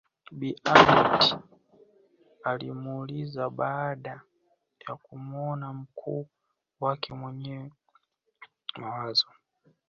Bi Aneth alimuuliza baada ya kumuona mkuu wake mwenye mawazo